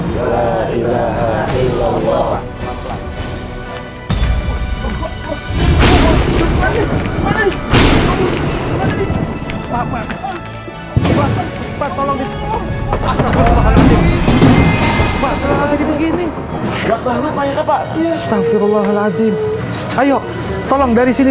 hai lagi begini enggak tahu apa apa astagfirullahaladzim saya tolong dari sini